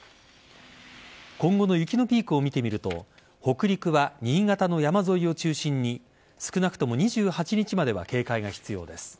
今後の雪のピークを見てみると北陸は、新潟の山沿いを中心に少なくとも２８日までは警戒が必要です。